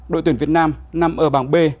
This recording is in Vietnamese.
đội tuyển việt nam nằm ở bảng b